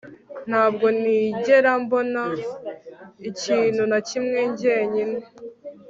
ntabwo nigera mbona ikintu na kimwe njyenyine